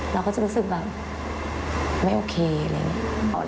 เราก็จะรู้สึกแบบไม่โอเคอะไรอย่างนี้